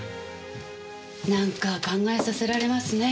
なんか考えさせられますね。